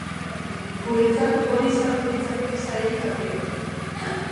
Guretzat, hori izango litzateke saririk handiena.